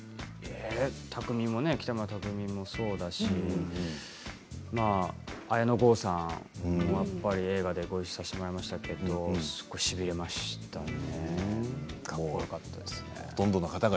北村匠海もそうだし綾野剛さん、やっぱり映画でごいっしょさせていただきましたけどすごくしびれましたね。